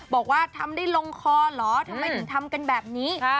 บอกว่าทำได้ลงคอเหรอทำไมถึงทำกันแบบนี้